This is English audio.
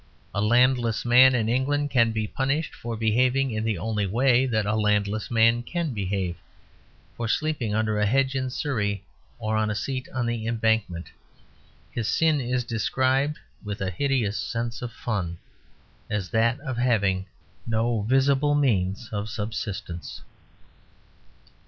A landless man in England can be punished for behaving in the only way that a landless man can behave: for sleeping under a hedge in Surrey or on a seat on the Embankment. His sin is described (with a hideous sense of fun) as that of having no visible means of subsistence.